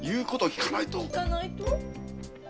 聞かないと？